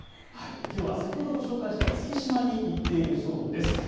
先ほどご紹介した月島に行っているそうです。